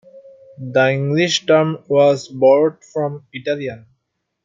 The English term was borrowed from Italian.